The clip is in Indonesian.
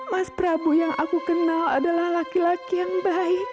mas prabu yang aku kenal adalah laki laki yang baik